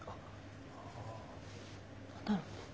何だろうね？